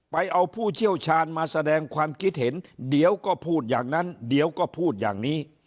ไปเอาผู้เชี่ยวชาญมาแสดงความคิดเห็นเดี๋ยวก็พูดอย่างนั้นเดี๋ยวก็พูดอย่างนี้